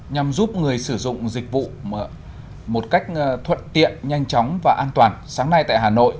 nhằm giúp người sử dụng dịch vụ một cách thuận tiện nhanh chóng và an toàn sáng nay tại hà nội